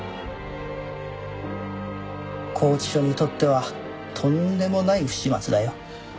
拘置所にとってはとんでもない不始末だよ。